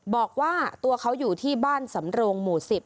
บอกว่าตัวเขาอยู่ที่บ้านสำโรงหมู่๑๐